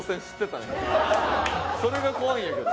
それが怖いんやけど。